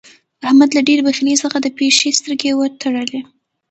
احمد له ډېرې بخيلۍ څخه د پيشي سترګې ور تړي.